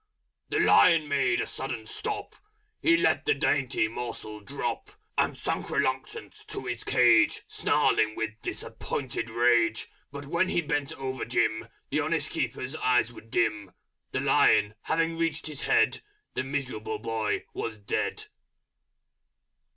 The Lion made a sudden Stop, He let the Dainty Morsel drop, And slunk reluctant to his Cage, Snarling with Disappointed Rage But when he bent him over Jim, The Honest Keeper's Eyes were dim. The Lion having reached his Head, The Miserable Boy was dead!